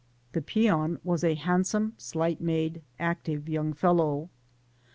The peoii was a handsome, slight made, active, young fellow.